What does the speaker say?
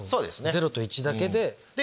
０と１だけで。